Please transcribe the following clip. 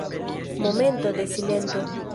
Momento de silento!